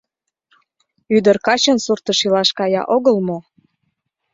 Ӱдыр качын суртыш илаш кая огыл мо?